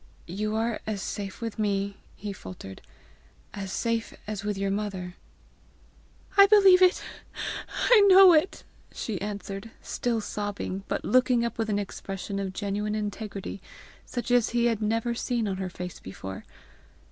"You are as safe with me," he faltered, " as safe as with your mother!" "I believe it! I know it," she answered, still sobbing, but looking up with an expression of genuine integrity such as he had never seen on her face before.